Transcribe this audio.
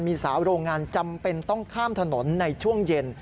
มีสาวโรงงานจำเป็นต้องข้ามถนนในช่วงเย็น